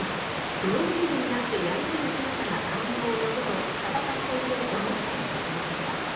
泥まみれになってやりきる姿が感動を呼ぶと戦っていて思ったと語りました。